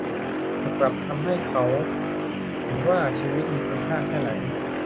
เธอกลับทำให้เขาเห็นว่าชีวิตมีคุณค่าแค่ไหน